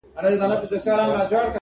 • ته به مي څرنګه د تللي قدم لار لټوې -